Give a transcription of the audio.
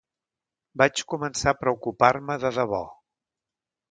Vaig començar a preocupar-me de debò.